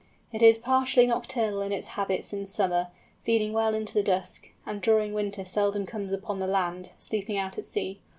It is partially nocturnal in its habits in summer, feeding well into the dusk, and during winter seldom comes upon the land, sleeping out at sea.